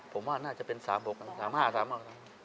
ผมว่าน่าจะเป็นสามบกสามห้าสามห้า